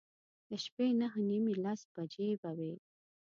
د شپې نهه نیمې، لس بجې به وې.